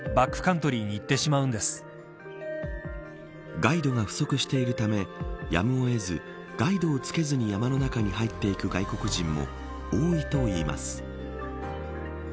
ガイドが不足しているためやむを得ず、ガイドをつけずに山の中に入っていく外国人も多いといいます。